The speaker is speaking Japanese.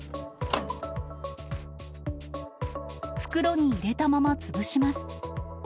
袋に入れたまま潰します。